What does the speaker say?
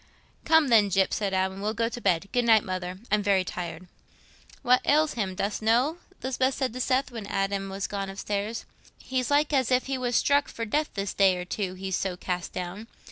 "Come, then, Gyp," said Adam, "we'll go to bed. Good night, Mother; I'm very tired." "What ails him, dost know?" Lisbeth said to Seth, when Adam was gone upstairs. "He's like as if he was struck for death this day or two—he's so cast down.